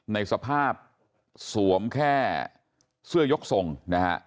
ในสภาพสวมแค่เสื้อยกทรงนะฮะ